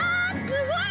すごい！